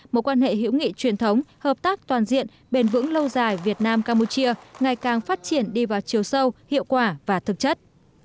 một quan hệ hữu nghị truyền thống hợp tác toàn diện bền vững lâu dài việt nam campuchia ngày càng phát triển đi vào chiều sâu hiệu quả và thực chất